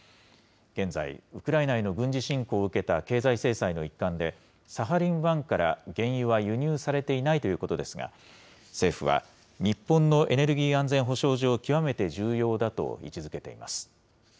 現在、ウクライナへの軍事侵攻を受けた経済制裁の一環で、サハリン１から原油は輸入されていないということですが、政府は、日本のエネルギー安全保障上、極めて重要だと位置づけています。